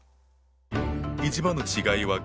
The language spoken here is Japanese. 一番の違いは原料。